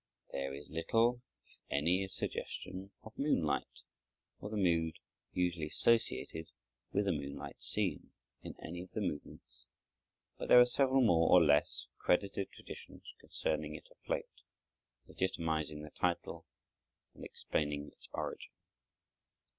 There is little, if any, suggestion of moonlight, or the mood usually associated with a moonlight scene, in any of the movements; but there are several more or less credited traditions concerning it afloat, legitimatizing the title and explaining its origin.